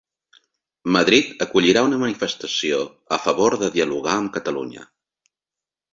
Madrid acollirà una manifestació a favor de dialogar amb Catalunya